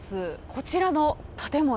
こちらの建物。